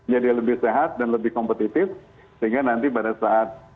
jadi lebih sehat dan lebih kompetitif sehingga nanti pada saat